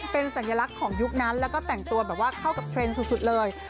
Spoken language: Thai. เป็นสัญลักษณ์ของยุคนั้นแล้วก็แต่งตัวแบบว่าเข้ากับเทรนด์สุดเลย